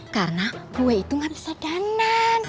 karena gue itu gak bisa dana